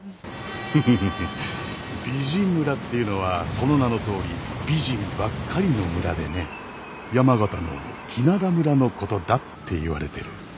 フフフ美人村っていうのはその名のとおり美人ばっかりの村でね山形の来名田村のことだって言われてる。